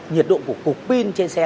nhiệt độ của cục pin trên xe